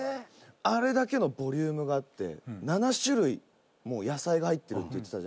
あれだけのボリュームがあって７種類も野菜が入ってるって言ってたじゃないですか。